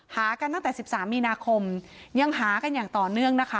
หากันตั้งแต่๑๓มีนาคมยังหากันอย่างต่อเนื่องนะคะ